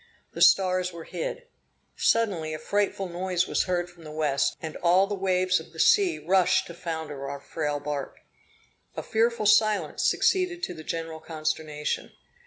The stars were hid. Suddenly a frightful noise was heard from the west, and all the waves of the sea rushed to founder our frail bark. A fearful silence succeeded to the general consternation.